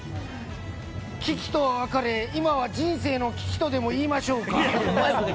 キキと別れ、今は人生の危機とでも言いましょうか。